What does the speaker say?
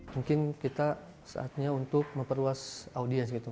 mungkin kita saatnya untuk memperluas audiens gitu